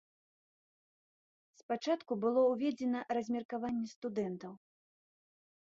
Спачатку было ўведзена размеркаванне студэнтаў.